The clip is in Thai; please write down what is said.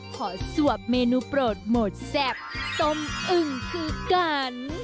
สวบเมนูโปรดหมดแซ่บต้มอึ่งคือกัน